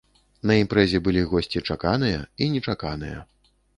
На імпрэзе былі госці чаканыя і нечаканыя.